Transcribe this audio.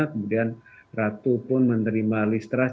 kemudian ratu pun menerima listra